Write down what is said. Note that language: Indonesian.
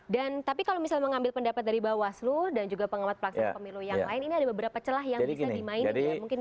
dan tapi kalau misalnya mengambil pendapat dari bawaslu dan juga pengawat pelaksana pemilu yang lain ini ada beberapa celah yang bisa di main